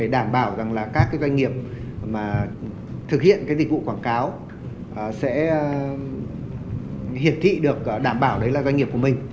đảm bảo rằng là các cái doanh nghiệp mà thực hiện cái dịch vụ quảng cáo sẽ hiển thị được đảm bảo đấy là doanh nghiệp của mình